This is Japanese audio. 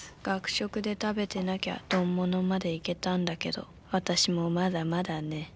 学食で食べてなきゃ丼物までいけたんだけど私もまだまだね。